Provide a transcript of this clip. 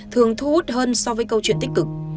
thường thu hút hơn so với câu chuyện tích cực